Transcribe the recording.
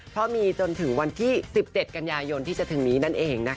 เพราะมีจนถึงวันที่๑๗กันยายนที่จะถึงนี้นั่นเองนะคะ